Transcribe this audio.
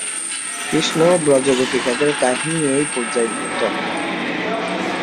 কৃষ্ণ ও ব্রজগোপিকাদের কাহিনী এই পর্যায়ভুক্ত।